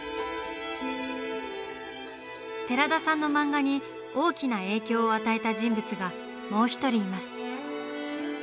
寺田さんの漫画に大きな影響を与えた人物がもう一人います。